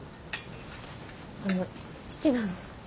あの父なんです。